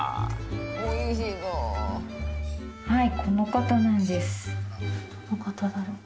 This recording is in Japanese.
はいこの方なんです。